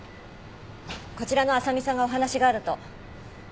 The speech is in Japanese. こちらの浅見さんがお話があると。